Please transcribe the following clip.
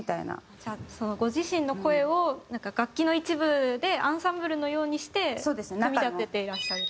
じゃあそのご自身の声をなんか楽器の一部でアンサンブルのようにして組み立てていらっしゃる。